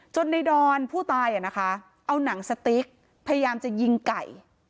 ในดอนผู้ตายเอาหนังสติ๊กพยายามจะยิงไก่